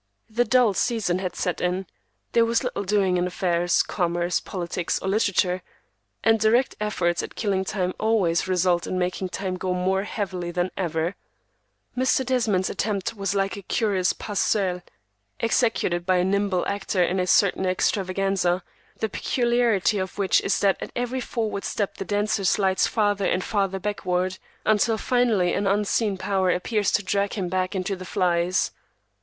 The dull season had set in; there was little doing, in affairs, commerce, politics, or literature; and direct efforts at killing time always result in making time go more heavily than ever. Mr. Desmond's attempt was like a curious pas seul, executed by a nimble actor in a certain extravaganza, the peculiarity of which is that at every forward step the dancer slides farther and farther backward, until finally an unseen power appears to drag him back into the flies.